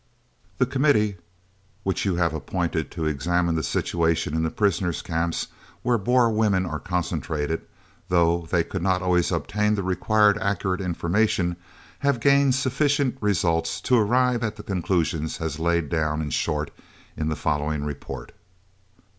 The Committee, which you have appointed to examine the situation in the prisoners' camps, where Boer women are concentrated, though they could not always obtain the required accurate information, have gained sufficient results to arrive at the conclusions as laid down in short in the following report: I.